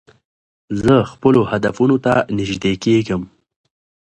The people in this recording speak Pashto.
زه خپلو هدفونو ته نژدې کېږم.